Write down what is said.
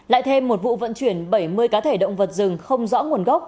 lại thêm một vụ vận chuyển bảy mươi cá thể động vật rừng không rõ nguồn gốc